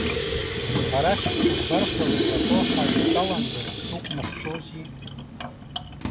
Арахь ҳцәыкәбарқәа леилаҭәо ҳаидтәаландаз сукәмыхшози.